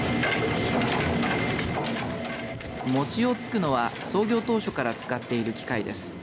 餅をつくのは創業当初から使っている機械です。